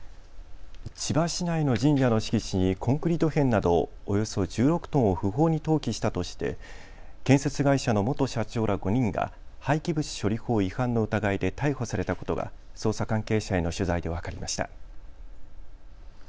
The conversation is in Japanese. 千葉市内の神社の敷地にコンクリート片などおよそ１６トンを不法に投棄したとして建設会社の元社長ら５人が廃棄物処理法違反の疑いで逮捕されたことが捜査関係者への取材で分かりました。